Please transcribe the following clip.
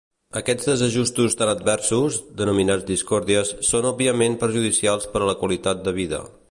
Aquests desajustos tan adversos, denominats discòrdies, són òbviament perjudicials per a la qualitat de vida.